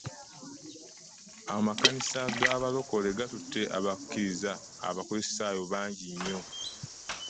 Amakanisa ga balokole gattutte aba kkiriza aba kristayo bangi nnyo.